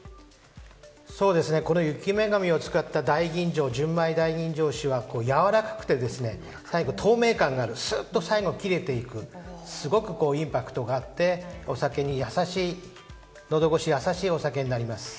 この雪女神を使った純米大吟醸酒はやわらかくて最後に透明感のあるすっと切れていくすごくインパクトがあってのど越しの優しいお酒になります。